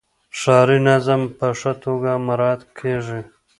ښاري نظم په ښه توګه مراعات کیږي.